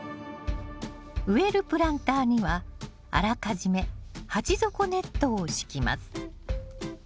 植えるプランターにはあらかじめ鉢底ネットを敷きます。